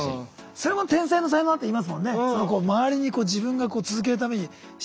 それも天才の才能なんていいますもんね。